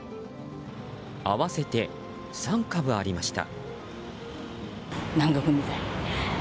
合わせて３株ありました。